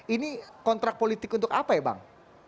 ini kontrak politik untuk apa ya bang